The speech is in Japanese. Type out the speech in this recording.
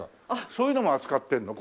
そういうのも扱ってるの？